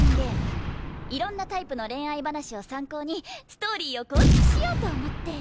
いろんなタイプの恋愛話を参考にストーリーを構築しようと思って。